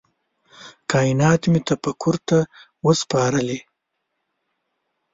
کائینات مي تفکر ته وه سپارلي